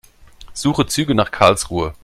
Suche Züge nach Karlsruhe.